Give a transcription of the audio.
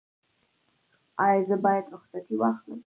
ایا زه باید رخصتي واخلم؟